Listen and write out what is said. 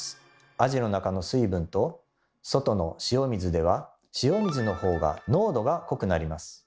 アジの中の水分と外の塩水では塩水の方が濃度が濃くなります。